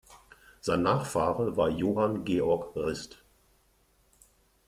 Sein Nachfahre war Johann Georg Rist.